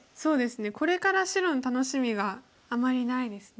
これから白の楽しみがあまりないですね。